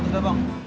dua ratus dah bang